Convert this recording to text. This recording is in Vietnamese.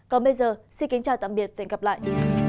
còn bây giờ xin kính chào tạm biệt và hẹn gặp lại